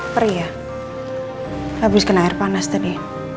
perih ya habis kena air panas tadi